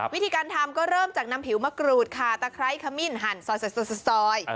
วิธีการทำก็เริ่มจากนำผิวมะกรูดค่ะตะไคร้ขมิ้นหั่นซอยสดซอย